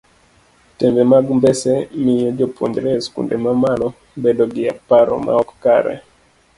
tembe mag mbese miyo jopuonjre e skunde mamalo bedo gi paro maok kare